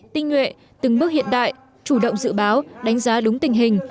tinh nguệ từng bước hiện đại chủ động dự báo đánh giá đúng tình hình